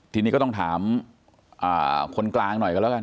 ทีนี้ก็ต้องถามคนกลางหน่อยกันแล้วกัน